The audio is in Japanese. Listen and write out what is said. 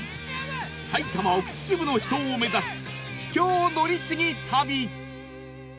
埼玉奥秩父の秘湯を目指す秘境乗り継ぎ旅